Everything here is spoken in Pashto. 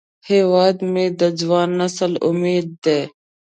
هیواد مې د ځوان نسل امید دی